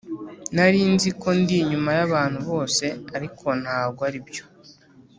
Narinziko ndi inyuma yabantu bose ariko ntago aribyo